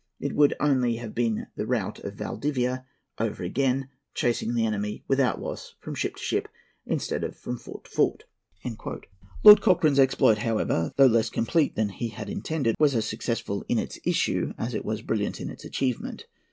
It would only have been the rout of Valdivia over again, chasing the enemy, without loss, from ship to ship instead of from fort to fort." Lord Cochrane's exploit, however, though less complete than he had intended, was as successful in its issue as it was brilliant in its achievement.